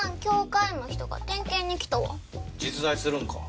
実在するんか？